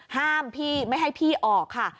ห้ามพี่ไม่ให้พี่ออกค่ะ